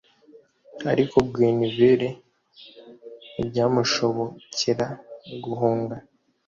ariko Guinevere ntibyamushobokera guhunga,